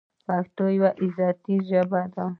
پښتو یوه غیرتي ژبه ده.